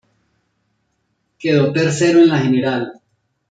Quedó tercero en la general.